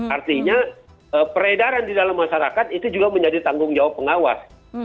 artinya peredaran di dalam masyarakat itu juga menjadi tanggung jawab pengawas